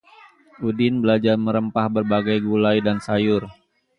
Udin belajar merempah berbagai gulai dan sayur